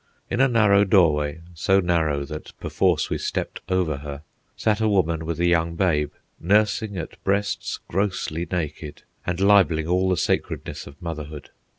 In a narrow doorway, so narrow that perforce we stepped over her, sat a woman with a young babe, nursing at breasts grossly naked and libelling all the sacredness of motherhood.